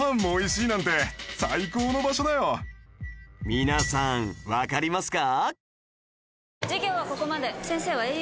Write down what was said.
皆さんわかりますか？